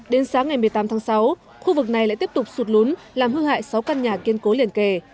đến sáng ngày một mươi tám tháng sáu khu vực này lại tiếp tục sụt lún làm hư hại sáu căn nhà kiên cố liền kề